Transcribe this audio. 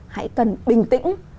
hãy cần bình tĩnh